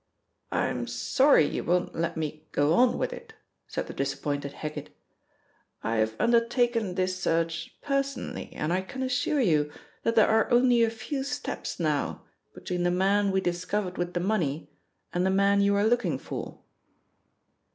"I'm sorry you won't let me go on with it," said the disappointed Heggitt. "I have undertaken this search personally, and I can assure you that there are only a few steps now between the man we discovered with the money and the man you are looking for."